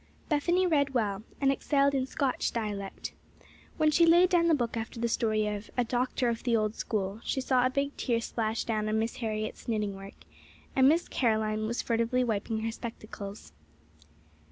Bethany read well, and excelled in Scotch dialect. When she laid down the book after the story of "A Doctor of the Old School," she saw a big tear splash down on Miss Harriet's knitting work, and Miss Caroline was furtively wiping her spectacles.